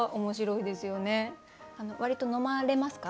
割と飲まれますか？